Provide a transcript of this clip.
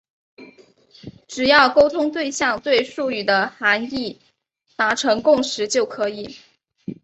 只要沟通对象对术语的含义达成共识就可以。